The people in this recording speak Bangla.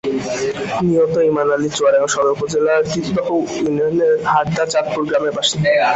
নিহত ইমান আলী চুয়াডাঙ্গার সদর উপজেলার তিতুদহ ইউনিয়নের হারদা চাঁদপুর গ্রামের বাসিন্দা।